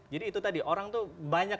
jadi itu tadi orang itu banyak